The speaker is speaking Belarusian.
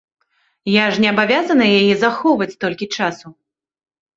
Я ж не абавязана яе захоўваць столькі часу.